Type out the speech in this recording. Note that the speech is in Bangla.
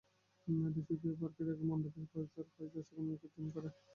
দেশপ্রিয় পার্কের এবার মণ্ডপের প্রবেশদ্বার করা হয়েছে অসুরের মুখকে থিম করে।